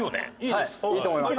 はいいいと思います。